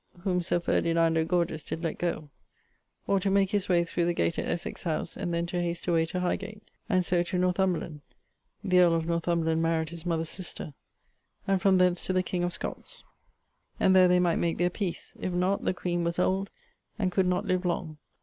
whom Sir Ferdinando Gorges did let goe; or to make his way through the gate at Essex house, and then to hast away to Highgate, and so to Northumberland (the earl of Northumberland maried his mother's sister), and from thence to the king of Scots, and there they might make their peace; if not, the queen was old and could not live long.